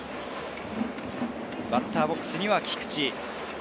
バッターボックスには菊池。